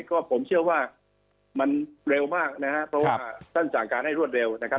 ก็ผมเชื่อว่ามันเร็วมากนะครับเพราะว่าท่านสั่งการให้รวดเร็วนะครับ